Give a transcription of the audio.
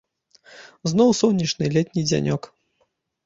Зноў сонечны летні дзянёк.